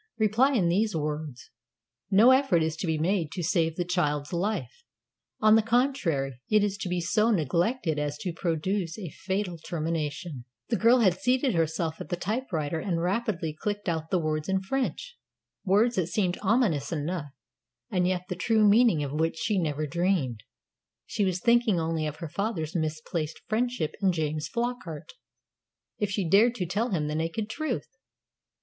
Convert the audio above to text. "Reply in these words: 'No effort is to be made to save the child's life. On the contrary, it is to be so neglected as to produce a fatal termination.'" The girl had seated herself at the typewriter and rapidly clicked out the words in French words that seemed ominous enough, and yet the true meaning of which she never dreamed. She was thinking only of her father's misplaced friendship in James Flockart. If she dared to tell him the naked truth!